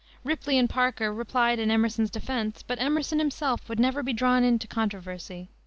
Ripley and Parker replied in Emerson's defense; but Emerson himself would never be drawn into controversy.